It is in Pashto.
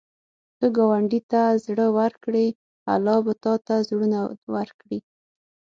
که ګاونډي ته زړه ورکړې، الله به تا ته زړونه ورکړي